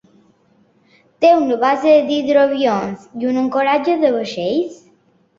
Té una base d'hidroavions i un ancoratge de vaixells.